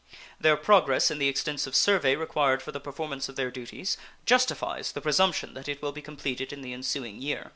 Their progress in the extensive survey required for the performance of their duties justifies the presumption that it will be completed in the ensuing year.